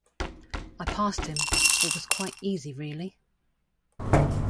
I passed him - it was quite easy really.